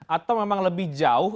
atau memang lebih jauh